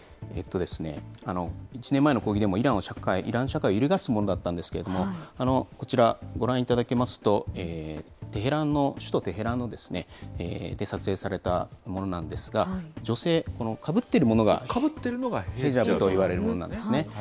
１年前の抗議デモ、イラン社会を揺るがすものだったんですけれども、こちら、ご覧いただきますと、首都テヘランで撮影されたものなんですが、女性、このかぶっているものが、かぶっているのがヘジャブといわれるものなんですね。